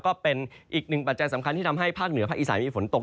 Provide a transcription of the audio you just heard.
ก็เป็นอีกหนึ่งปัจจัยสำคัญที่ทำให้ภาคเหนือภาคอีสานมีฝนตก